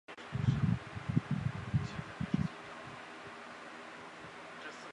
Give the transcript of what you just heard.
沙孟海塘溪镇沙村人。